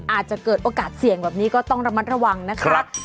อาจจะเกิดโอกาสเสี่ยงแบบนี้ก็ต้องระมัดระวังนะคะ